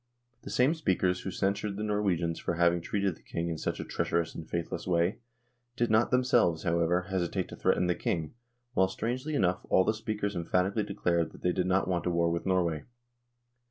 The same speakers who censured the Norwegians for having treated the King in such a " treacherous and faithless way " did not themselves, however, hesitate to threaten the King, while, strangely enough, all the speakers emphatically declared that they did not want a war with Norway.